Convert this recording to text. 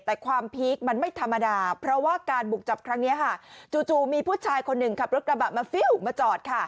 แต่ความพีคมันไม่ธรรมดาเพราะว่าการบุกจับครั้งนี้ค่ะจู่มีผู้ชายคนหนึ่งขับรถกระบะมาฟิวมาจอดค่ะ